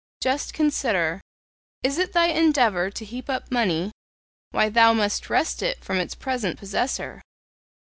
Just consider. Is it thy endeavour to heap up money? Why, thou must wrest it from its present possessor!